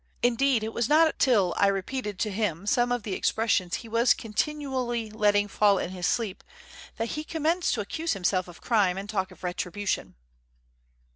Indeed it was not till I repeated to him some of the expressions he was continually letting fall in his sleep, that he commenced to accuse himself of crime and talk of retribution."